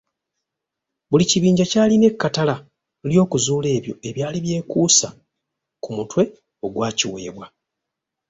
Buli kibinja kyalina ekkatala ly’okuzuula ebyo ebyali byekuusa ku mutwe ogwakiweebwa.